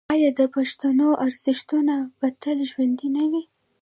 آیا د پښتنو ارزښتونه به تل ژوندي نه وي؟